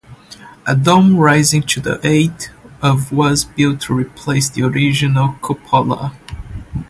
A dome rising to a height of was built to replace the original cupola.